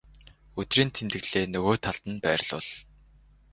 өдрийн тэмдэглэлээ нөгөө талд нь байрлуул.